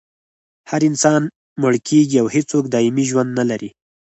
هر انسان مړ کیږي او هېڅوک دایمي ژوند نلري